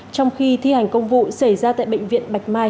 trong khi thi hành công vụ xảy ra tại bệnh viện bạch mai